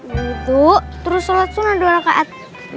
gitu terus sholat sunnah dua rakaat